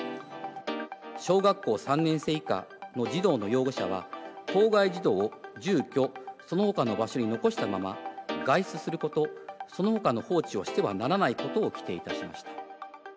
小学校３年生以下の児童の養護者は、当該児童を住居そのほかの場所に残したまま外出すること、そのほかの放置をしてはならないことを規定いたしました。